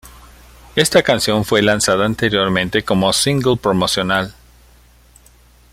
Esta canción fue lanzada anteriormente como single promocional.